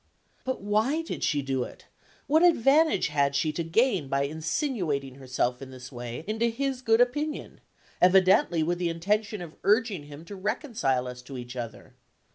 But why did she do it? What advantage had she to gain by insinuating herself in this way into his good opinion, evidently with the intention of urging him to reconcile us to each other?